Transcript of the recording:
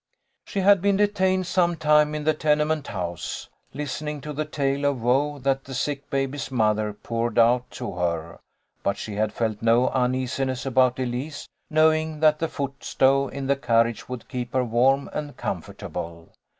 She had been detained some time in the tenement house, listening to the tale of woe that the sick baby's mother poured out to her; but she had felt no uneasiness about Elise, knowing that the foot stove in the carriage would keep her warm and comfortable.